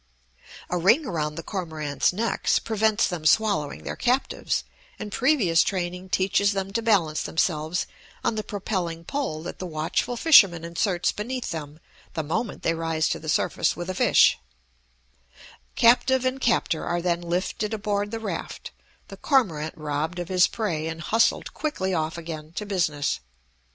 A ring around the cormorants' necks prevents them swallowing their captives, and previous training teaches them to balance themselves on the propelling pole that the watchful fisherman inserts beneath them the moment they rise to the surface with a fish; captive and captor are then lifted aboard the raft, the cormorant robbed of his prey and hustled quickly off again to business.